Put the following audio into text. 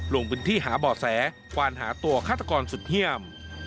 ลงพื้นที่หาบ่อแสควานหาตัวฆาตกรสุดเยี่ยม